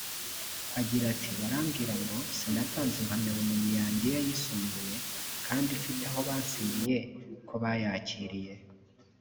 Agira ati “Barambwira ngo sinatanze impamyabumenyi yanjye y’ayisumbuye kandi mfite aho bansinyiye ko bayakiriye